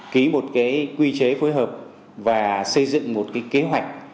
ký một quy chế phối hợp và xây dựng một cái kế hoạch